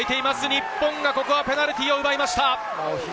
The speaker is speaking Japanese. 日本、ここはペナルティーを奪いました。